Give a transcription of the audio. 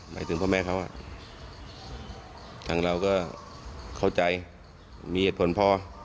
หมายถึงพ่อแม่เขาอ่ะทั้งเราก็เข้าใจมีเหตุผลพ่อ